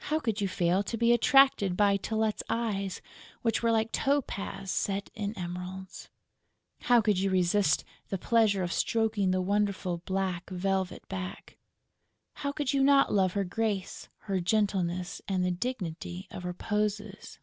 How could you fail to be attracted by Tylette's eyes, which were like topaz set in emeralds? How could you resist the pleasure of stroking the wonderful black velvet back? How could you not love her grace, her gentleness and the dignity of her poses?